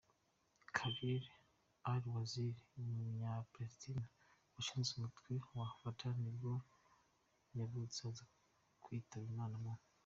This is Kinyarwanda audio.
Khalil al-Wazir, umunyapalestine washinze umutwe wa Fatah nibwo yavutse, aza kwitaba Imana mu .